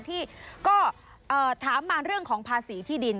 ที่ก็ถามมาเรื่องของภาษีที่ดิน